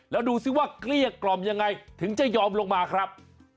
แล้วดูซิว่าเกลี้ยกล่อมยังไงถึงจะยอมลงมาครับ